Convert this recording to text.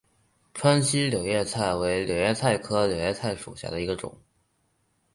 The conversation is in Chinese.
川西柳叶菜为柳叶菜科柳叶菜属下的一个种。